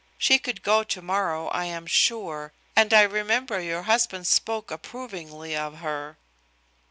She could go tomorrow, I am sure. And I remember your husband spoke approvingly of her."